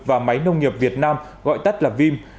và máy nông nghiệp việt nam gọi tắt là vim